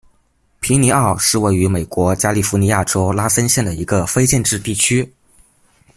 皮尼奥是位于美国加利福尼亚州拉森县的一个非建制地区。